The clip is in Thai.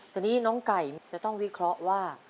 ตอนนี้น้องไก่จะต้องวิเคราะห์ว่า